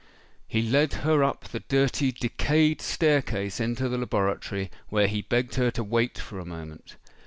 He led her up the dirty, decayed staircase into the laboratory, where he begged her to wait for a moment.